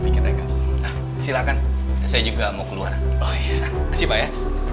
bikin rekam silakan saya juga mau keluar oh ya siap ya